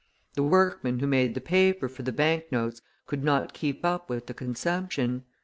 The workmen who made the paper for the bank notes could not keep up with the consumption.